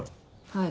はい。